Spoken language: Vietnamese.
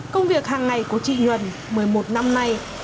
công việc hàng ngày của chị nhuần một mươi một năm nay